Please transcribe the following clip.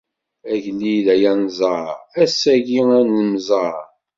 Agellid ay anẓar, ass-agi ad nemẓer.